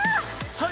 はい！